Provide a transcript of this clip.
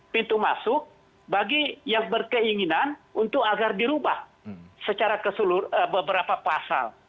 pintu masuk bagi yang berkeinginan untuk agar dirubah secara beberapa pasal